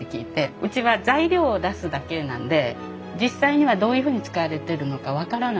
うちは材料を出すだけなんで実際にはどういうふうに使われてるのか分からなくて。